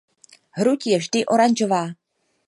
Hruď je vždy oranžová.